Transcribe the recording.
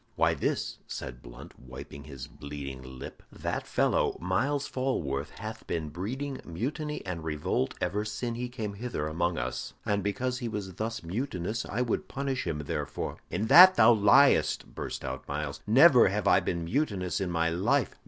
"Why, this," said Blunt, wiping his bleeding lip. "That fellow, Myles Falworth, hath been breeding mutiny and revolt ever sin he came hither among us, and because he was thus mutinous I would punish him therefor." "In that thou liest!" burst out Myles. "Never have I been mutinous in my life."